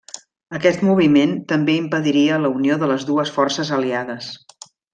Aquest moviment també impediria la unió de les dues forces aliades.